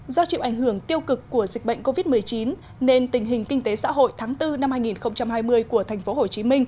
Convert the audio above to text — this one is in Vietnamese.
do chịu ảnh hưởng tiêu cực của dịch bệnh covid một mươi chín nên tình hình kinh tế xã hội tháng bốn năm hai nghìn hai mươi của tp hcm